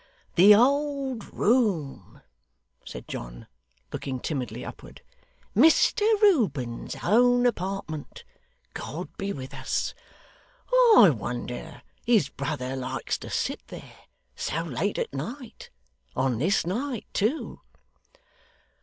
'The old room,' said John, looking timidly upward; 'Mr Reuben's own apartment, God be with us! I wonder his brother likes to sit there, so late at night on this night too.